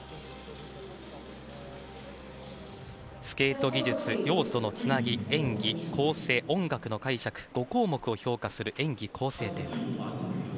スケート技術、要素のつなぎ演技構成、音楽の解釈５項目を評価する演技構成点です。